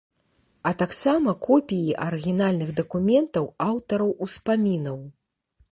А таксама копіі арыгінальных дакументаў аўтараў успамінаў.